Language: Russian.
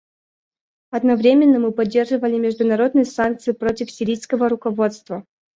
Одновременно мы поддержали международные санкции против сирийского руководства.